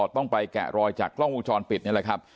ต้องไปแกะรอยจากกล้องวงจรปิดนี่แหละครับ